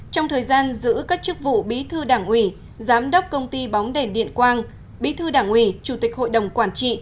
trong thời gian giữ các chức vụ bí thư đảng ủy giám đốc công ty bóng đèn điện quang bí thư đảng ủy chủ tịch hội đồng quản trị